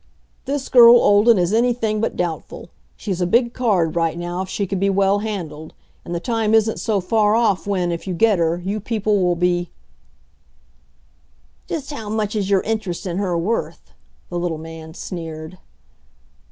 "'This girl Olden' is anything but doubtful. She's a big card right now if she could be well handled. And the time isn't so far off when, if you get her, you people will be " "Just how much is your interest in her worth?" the little man sneered.